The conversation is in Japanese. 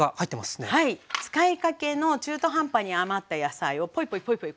使いかけの中途半端に余った野菜をポイポイポイポイ